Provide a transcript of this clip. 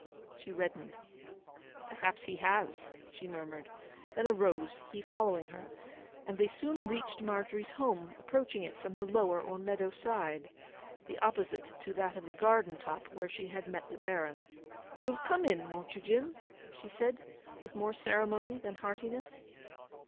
She reddened. 'Perhaps he has!' she murmured; then arose, he following her; and they soon reached Margery's home, approaching it from the lower or meadow side—the opposite to that of the garden top, where she had met the Baron. 'You'll come in, won't you, Jim?' she said, with more ceremony than heartiness.